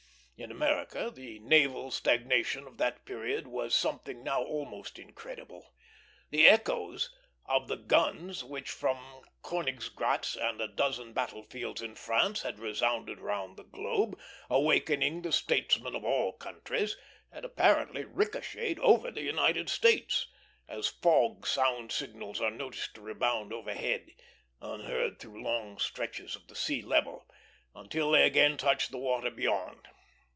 In America, the naval stagnation of that period was something now almost incredible. The echoes of the guns which from Königgrätz and a dozen battle fields in France had resounded round the globe, awakening the statesmen of all countries, had apparently ricochetted over the United States, as fog sound signals are noticed to rebound overhead, unheard through long stretches of the sea level, until they again touch the water beyond.